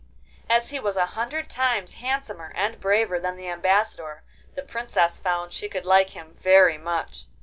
As he was a hundred times handsomer and braver than the Ambassador, the Princess found she could like him very much.